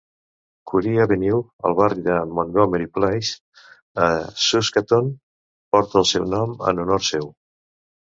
Currie Avenue, al barri de Montgomery Place, a Saskatoon, porta el seu nom en honor seu.